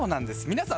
皆さん